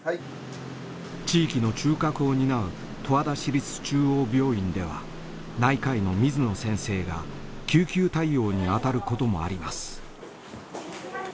地域の中核を担う十和田市立中央病院では内科医の水野先生が救急対応に当たることもあります。